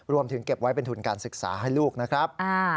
เก็บไว้เป็นทุนการศึกษาให้ลูกนะครับ